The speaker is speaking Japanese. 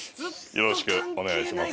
よろしくお願いします。